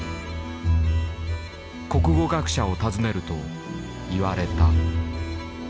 国語学者を訪ねると言われた。